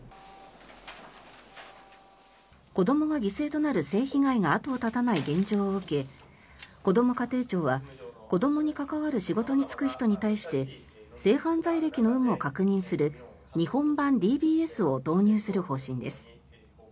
子どもが犠牲となる性被害が後を絶たない現状を受けこども家庭庁は子どもに関わる仕事に就く人に対して性犯罪歴の有無を確認する日本版ＤＢＳを導入する方針です。